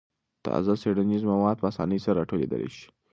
تازه څېړنیز مواد په اسانۍ سره راټولېدای شي.